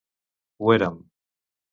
Ho érem.